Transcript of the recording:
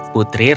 putri raja edward